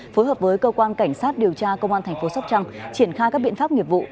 phối hợp với cơ quan cảnh sát điều tra công an thành phố sóc trăng triển khai các biện pháp nghiệp vụ